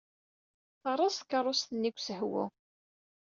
Terreẓ tkeṛṛust-nni deg usehwu.